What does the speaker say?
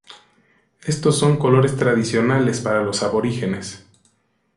Estos son colores tradicionales para los aborígenes.